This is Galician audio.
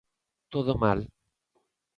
Todo mal.